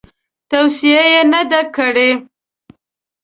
توصیه یې نه ده کړې.